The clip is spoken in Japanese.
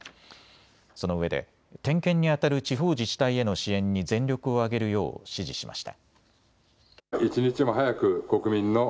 そのうえで点検にあたる地方自治体への支援に全力を挙げるよう指示しました。